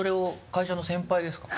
会社の先輩ですか？